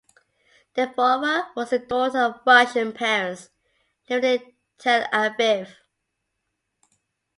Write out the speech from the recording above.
Devora was the daughter of Russian parents living in Tel Aviv.